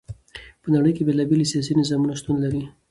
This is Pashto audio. په نړی کی بیلا بیل سیاسی نظامونه شتون لری.